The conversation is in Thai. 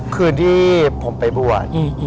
คืนที่ผมไปบวช